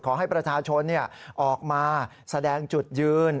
ขอให้ประชาชนออกมาแสดงจุดยืน